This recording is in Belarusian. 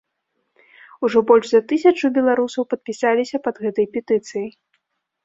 Ужо больш за тысячу беларусаў падпісаліся пад гэтай петыцыяй.